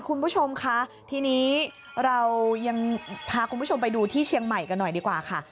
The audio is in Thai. คุณผู้ชมคะทีนี้เรายังพาคุณผู้ชมไปดูที่เชียงใหม่กันหน่อยดีกว่าค่ะ